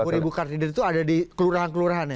tiga puluh ribu card reader itu ada di kelurahan kelurahan ya